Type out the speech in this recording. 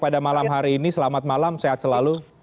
pada malam hari ini selamat malam sehat selalu